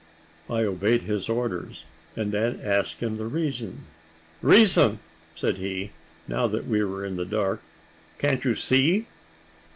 I obeyed his orders, and then asked him the reason. "Reason!" said he, now that we were in the dark; "can't you see?"